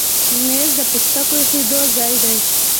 مېز د پوستکو ایښودو ځای دی.